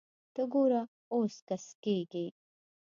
ته ګوره اوس کسږي